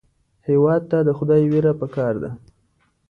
هېواد ته د خدای وېره پکار ده